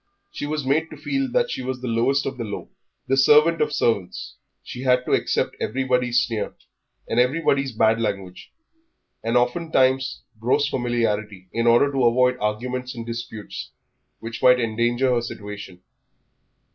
She was made to feel that she was the lowest of the low the servant of servants. She had to accept everybody's sneer and everybody's bad language, and oftentimes gross familiarity, in order to avoid arguments and disputes which might endanger her situation.